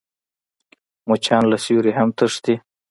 مچان له سیوري هم تښتي